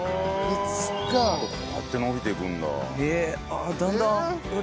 あっだんだん。